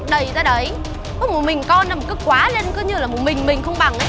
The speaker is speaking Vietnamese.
mãy chi con luôn mạnh rồi mẹ cũng mạnh con cứ bình tĩnh